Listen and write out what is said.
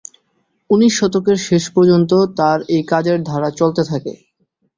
উনিশ শতকের শেষ পর্যন্ত তার এই কাজের ধারা চলতে থাকে।